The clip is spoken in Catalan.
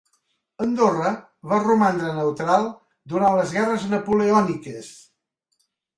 Andorra va romandre neutral durant les guerres napoleòniques.